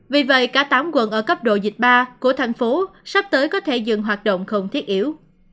vì vậy cả tám quận ở cấp độ dịch ba của thành phố sắp tới có thể dừng hoạt động không thiết yếu